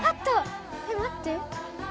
えっまって。